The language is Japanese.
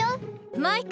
マイカ。